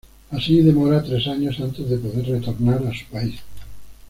Así demora tres años antes de poder retornar a su país.